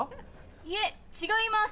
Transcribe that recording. いえ違います。